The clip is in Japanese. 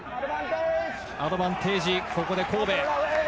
アドバンテージここで神戸。